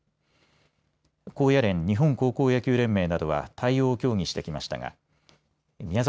高野連・日本高校野球連盟などは対応を協議してきましたが宮崎